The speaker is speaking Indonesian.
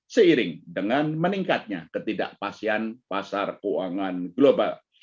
seiring dengan meningkatnya ketidakpastian pasar keuangan global